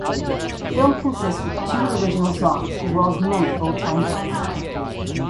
The film consists with two original songs as well as many old time hits.